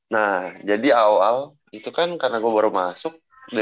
nah jadi awal itu kan karena gue baru masuk dua ribu lima belas ya